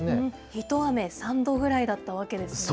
一雨三度ぐらいだったわけですね。